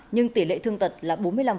nhưng tỷ lệ thương tật là bốn mươi năm